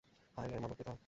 হায় রে, মানবহৃদয়!